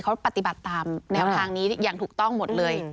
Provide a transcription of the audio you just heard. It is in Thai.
เขาปฏิบัติตามแนวทางนี้อย่างถูกต้องหมดเลย